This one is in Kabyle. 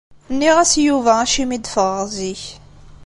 Nniɣ-as i Yuba acimi i d-ffɣeɣ zik.